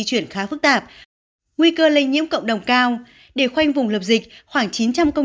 chuyển khá phức tạp nguy cơ lây nhiễm cộng đồng cao để khoanh vùng dập dịch khoảng chín trăm linh công